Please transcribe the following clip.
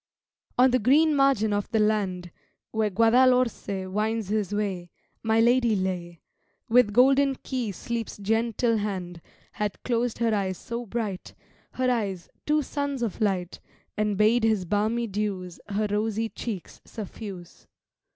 On the green margin of the land, Where Guadalhorce winds his way, My lady lay: With golden key Sleep's gentle hand Had closed her eyes so bright Her eyes, two suns of light And bade his balmy dews Her rosy cheeks suffuse.